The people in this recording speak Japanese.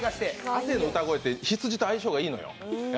亜生の歌声って羊と相性がいいのよ。